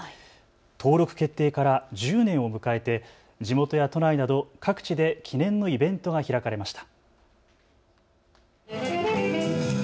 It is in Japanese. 登録決定から１０年を迎えて地元や都内など各地で記念のイベントが開かれました。